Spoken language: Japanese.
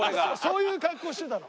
そういう格好してたの。